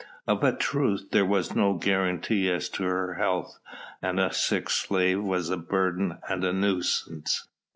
Of a truth there was no guarantee as to her health and a sick slave was a burden and a nuisance.